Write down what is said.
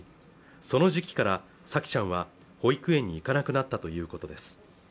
その時期から沙季ちゃんは保育園に行かなくなったということです